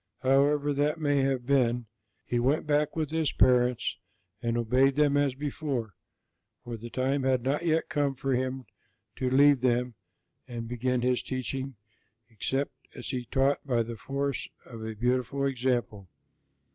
However that may have been, He went back with His parents and obeyed them as before, for the time had not come for Him to leave them and begin His teaching, except as He taught by the force of a beautiful example.